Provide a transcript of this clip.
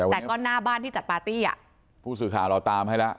แต่ก็หน้าบ้านที่จัดปาร์ตี้อ่ะผู้สื่อข่าวเราตามให้แล้ว